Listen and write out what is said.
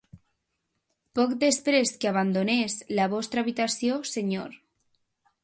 Poc després que abandonés la vostra habitació, senyor.